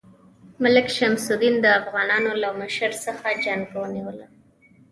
ملک شمس الدین د افغانانو له مشر څخه جنګ ونیوله.